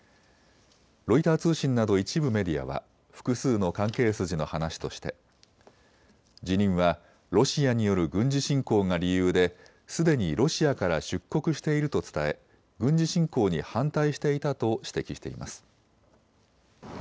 ロイター通信など一部メディアは複数の関係筋の話として辞任はロシアによる軍事侵攻が理由ですでにロシアから出国していると伝え軍事侵攻に反対していたと指摘しています。